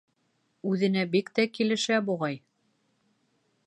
Үҙенә бик тә килешә, буғай.